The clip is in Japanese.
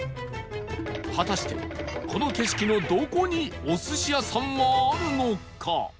果たしてこの景色のどこにお寿司屋さんはあるのか？